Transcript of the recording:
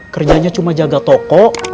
kerjanya cuma jaga toko